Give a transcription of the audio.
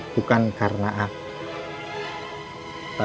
bukan karena aku